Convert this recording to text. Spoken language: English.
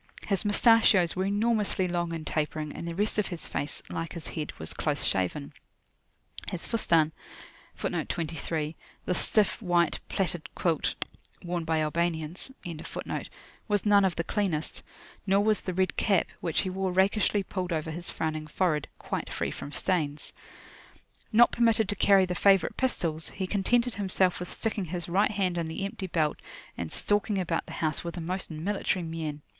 His mustachios were enormously long and tapering, and the rest of his face, like his head, was close shaven. His Fustan[FN#23] was none of the cleanest; nor was the red cap, which he wore rakishly pulled over his frowning forehead, quite free from stains. Not permitted to carry the favourite pistols, he contented himself with sticking his right hand in the empty belt, and stalking about the house with a most military mien.